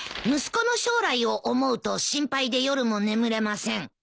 「息子の将来を思うと心配で夜も眠れません」